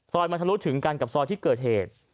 มาทะลุถึงกันกับซอยที่เกิดเหตุ